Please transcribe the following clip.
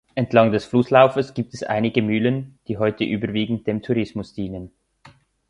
Entlang des Flusslaufes gibt es einige Mühlen, die heute überwiegend dem Tourismus dienen.